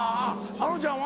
あのちゃんは？